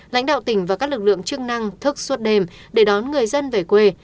lãnh đạo tỉnh và các lực lượng chức năng thức suốt đêm để đón người dân về quê